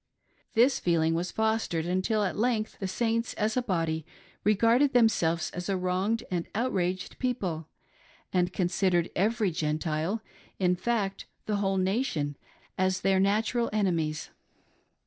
This feeling was fostered, until at length the Saints as a body regarded themselves as a wronged and outraged people, and considered every Gentile— in fact the whole nation as their natural enemies.